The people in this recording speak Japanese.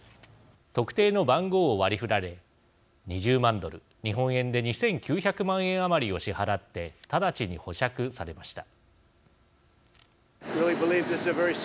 特定の番号を割りふられ２０万ドル日本円で２，９００万円余りを支払って直ちに保釈されました。